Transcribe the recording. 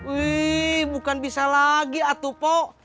wih bukan bisa lagi atuh pok